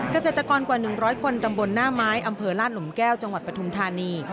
เกษตรกรกว่า๑๐๐คนตำบลหน้าไม้อำเภอลาดหลุมแก้วจังหวัดปฐุมธานี